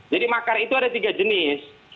makar itu ada tiga jenis